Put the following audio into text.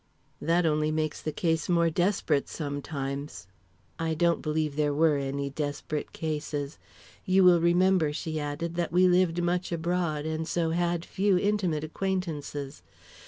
"That only makes the case more desperate sometimes." "I don't believe there were any desperate cases. You will remember," she added, "that we lived much abroad, and so had few intimate acquaintances.